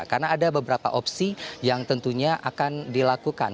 karena ada beberapa opsi yang tentunya akan dilakukan